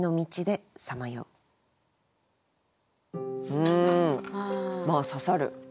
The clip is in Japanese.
うんまあ「刺さる」。